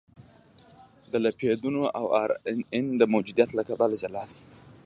د لیپیدونو او ار ان اې د موجودیت له کبله جلا دي.